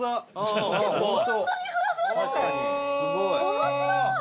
面白い！